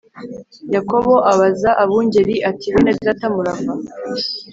Yakobo abaza abungeri ati Bene data murava